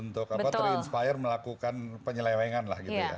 ter inspire melakukan penyelewengan lah gitu ya